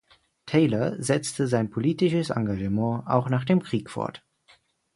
Taylor setzte sein politisches Engagement auch nach dem Krieg fort.